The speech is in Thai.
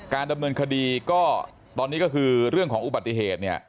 ดำเนินคดีก็ตอนนี้ก็คือเรื่องของอุบัติเหตุเนี่ย